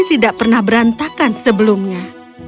tidak pernah berantakan sebelumnya